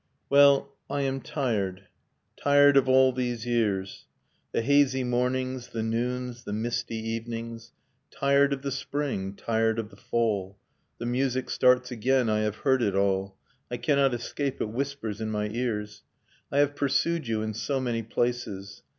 Well, I am tired ... tired of all these years, The hazy mornings, the noons, the misty evenings, Tired of the spring, tired of the fall ; The music starts again, I have heard it all, I cannot escape, it whispers in my ears ... I have pursued you in so many places.